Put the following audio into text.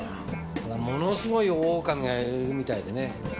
ものすごい大女将がいるみたいでね。